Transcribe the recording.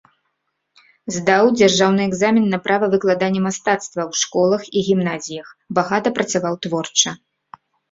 Здаў дзяржаўны экзамен на права выкладання мастацтва ў школах і гімназіях, багата працаваў творча.